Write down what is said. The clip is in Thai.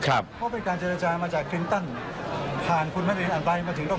ครับเพราะเป็นการเจรจามาจากคลินตันผ่านคุณแม่นอันไลน์มาถึงอืม